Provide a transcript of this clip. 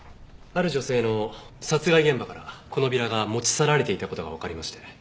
ある女性の殺害現場からこのビラが持ち去られていた事がわかりまして。